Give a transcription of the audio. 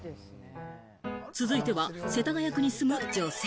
続いては世田谷区に住む女性。